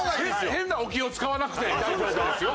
変なお気を使わなくて大丈夫ですよ。